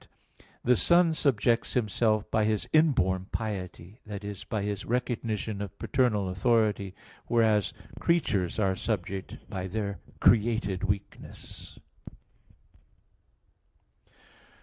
"The Son subjects Himself by His inborn piety" that is, by His recognition of paternal authority; whereas "creatures are subject by their created weakness."